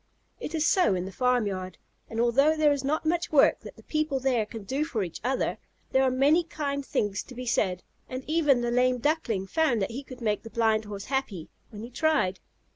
It is so in the farmyard, and although there is not much work that the people there can do for each other, there are many kind things to be said, and even the Lame Duckling found that he could make the Blind Horse happy when he tried.